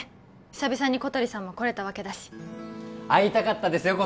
久々に小鳥さんも来れたわけだし会いたかったですよ